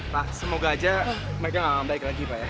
pak semoga aja mereka nggak baik lagi pak ya